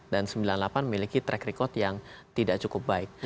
dan seribu sembilan ratus sembilan puluh delapan memiliki track record yang tidak cukup baik